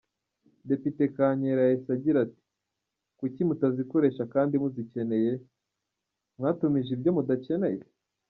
Depite Kankera yahise agira ati “Kuki mutazikoresha kandi muzikeneye? Mwatumije ibyo mudakeneye?”.